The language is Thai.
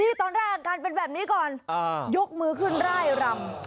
นี่ตอนแรกอาการเป็นแบบนี้ก่อนยกมือขึ้นร่ายรำ